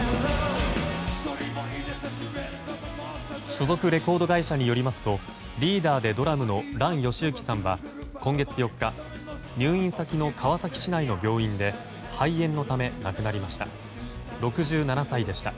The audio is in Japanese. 所属レコード会社によりますとリーダーでドラムの嵐ヨシユキさんは今月４日、入院先の川崎市内の病院で肺炎のため亡くなりました。